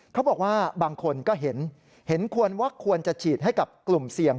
เขาบอกว่าบางคนก็เห็นควรว่าควรจะฉีดให้กับกลุ่มเสี่ยง